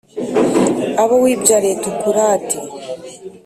abo wibyariye tukurate